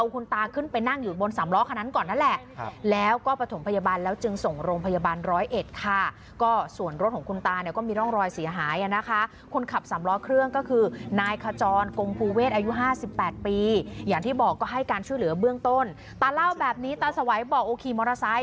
กับแว่นตาอันใหม่ไปที่ห้างกลางเมืองร้อยเอ็ดนั่นแหละค่ะ